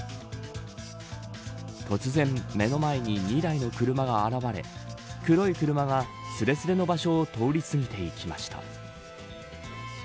突然目の前に２台の車が現れ黒い車がすれすれの場所を通り過ぎていきました。